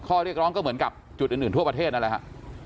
ข้อเรียกร้องก็เหมือนกับจุดอื่นทั่วประเทศนั่นแหละฮะ